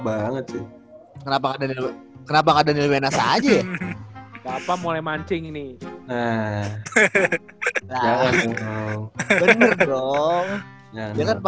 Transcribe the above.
banget kenapa ada kenapa ada nilai nasa aja nggak apa mulai mancing ini bener dong ya